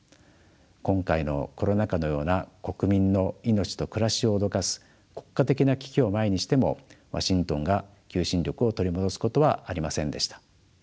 今回のコロナ禍のような国民の命と暮らしを脅かす国家的な危機を前にしてもワシントンが求心力を取り戻すことはありませんでした。